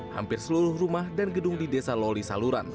hampir seluruh rumah dan gedung di desa loli saluran